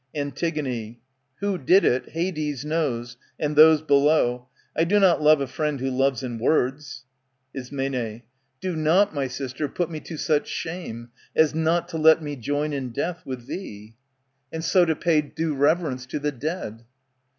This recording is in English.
"^ Antig. Who did it, Hades knows, and those below : I do not love a friend who loves in words. Ism, Do not, my sister, put me to such shame, As not to let me join in death with thee, iS9 ANTIGONE And so to pay due reverence to the dead.